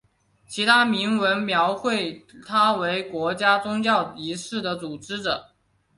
其他铭文描绘他为国家宗教仪式的组织者。